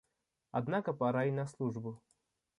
Однако пора и на службу